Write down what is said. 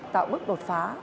tạo bước đột phá